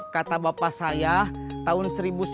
kata bapak saya tahun seribu sembilan ratus sembilan puluh